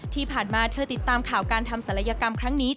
ที่ผ่านมาเธอติดตามข่าวการทำศัลยกรรมครั้งนี้